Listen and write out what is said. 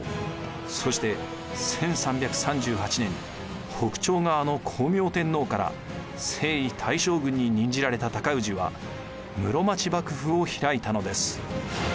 そして１３３８年北朝側の光明天皇から征夷大将軍に任じられた尊氏は室町幕府を開いたのです。